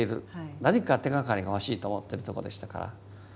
何か手がかりがほしいと思ってるところでしたから。